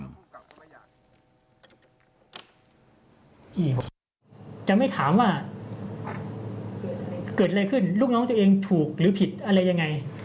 นี่ครับจะไม่ถามว่าเกิดอะไรขึ้นลูกน้องตัวเองถูกหรือผิดอะไรยังไง